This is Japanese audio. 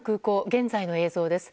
現在の映像です。